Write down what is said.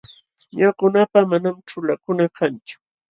Ñuqakunapa manam chuqllakuna kanchu.